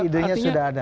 ide sudah ada